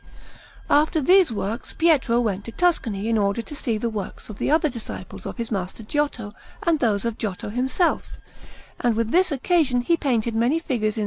After these works Pietro went to Tuscany, in order to see the works of the other disciples of his master Giotto and those of Giotto himself; and with this occasion he painted many figures in S.